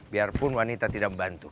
biarpun wanita tidak membantu